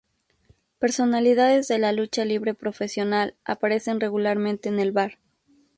Personalidades de la lucha libre profesional aparecen regularmente en el bar.